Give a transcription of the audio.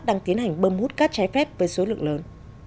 đang tiến hành bơm hút cát trái phép với số lượng lớn